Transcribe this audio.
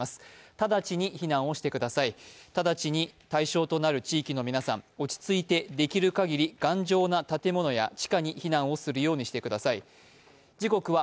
ただちに避難をしてください、ただちに対象となる地域の皆さん、落ち着いてできる限り頑丈な建物や地下に避難をするようにしてください。